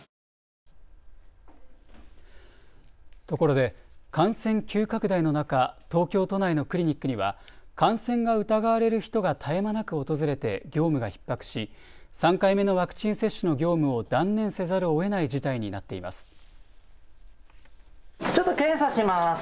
ところで感染急拡大の中、東京都内のクリニックには感染が疑われる人が絶え間なく訪れて業務がひっ迫し３回目のワクチン接種の業務を断念せざるをえない事態になっています。